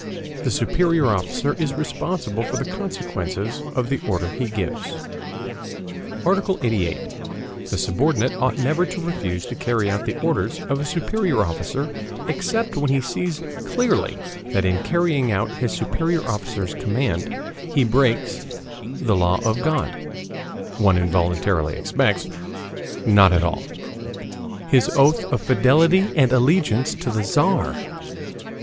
The superior officer is responsible for the consequences of the order he gives. ARTICLE 88. The subordinate ought never to refuse to carry out the orders of a superior officer except when he sees clearly that in carrying out his superior officer's command, he breaks [the law of God, one involuntarily expects; not at all] HIS OATH OF FIDELITY AND ALLEGIANCE TO THE TZAR.